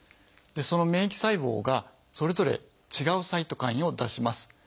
その免疫細胞がそれぞれ違うサイトカインを出します。